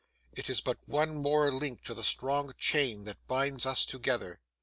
It is but one more link to the strong chain that binds us together.